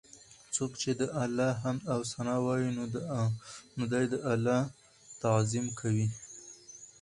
څوک چې د الله حمد او ثناء وايي، نو دی د الله تعظيم کوي